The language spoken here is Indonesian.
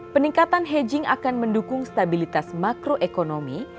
peningkatan hedging akan mendukung stabilitas makroekonomi